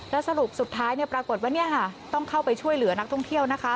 แล้วสรุปสุดท้ายปรากฏว่าต้องเข้าไปช่วยเหลือนักท่องเที่ยวนะคะ